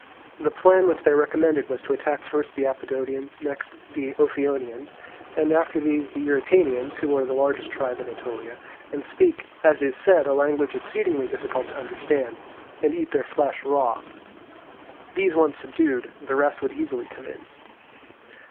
The plan which they recommended was to attack first the Apodotians, next the Ophionians, and after these the Eurytanians, who are the largest tribe in Aetolia, and speak, as is said, a language exceedingly difficult to understand, and eat their flesh raw. These once subdued, the rest would easily come in.